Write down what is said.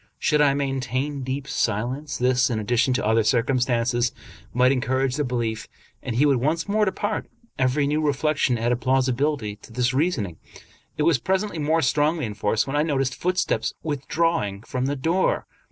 Should I maintain deep silence, this, in addition to other circumstances, might encourage the belief, and he would once more depart. Every new reflection added plausibility to this reasoning. It was presently more strongly enforced when I noticed footsteps withdrawing from the door.